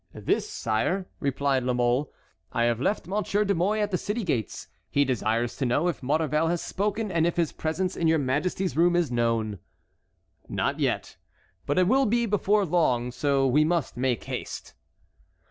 "This, sire," replied La Mole. "I have left Monsieur de Mouy at the city gates. He desires to know if Maurevel has spoken, and if his presence in your majesty's room is known." "Not yet, but it will be before long; so we must make haste."